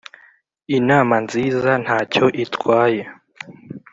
inama nziza ntacyo itwaye.